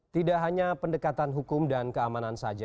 tidak hanya pendekatan hukum dan keamanan saja